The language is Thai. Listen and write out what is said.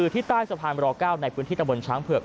ที่ใต้สะพานร๙ในพื้นที่ตะบนช้างเผือก